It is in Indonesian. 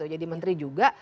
jadi menteri juga